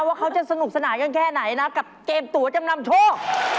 ว่าเขาจะสนุกสนานกันแค่ไหนนะกับเกมตัวจำนำโชค